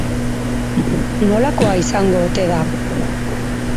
Nolakoa izango ote da?